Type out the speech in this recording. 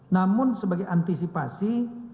namun sebagai antisipasi